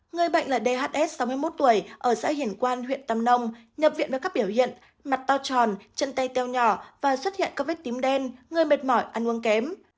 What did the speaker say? người bệnh là dhs sáu mươi một tuổi ở xã hiển quan huyện tâm nông nhập viện với các biểu hiện mặt to tròn chân tay teo nhỏ và xuất hiện các vết tím đen người mệt mỏi ăn uống kém